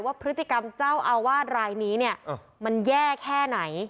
พฤติกรรมเจ้าอาวาสรายนี้เนี่ยมันแย่แค่ไหน